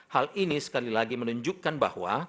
hal ini sekali lagi menunjukkan bahwa